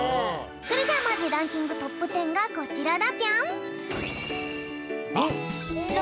それじゃあまずランキングトップテンがこちらだぴょん！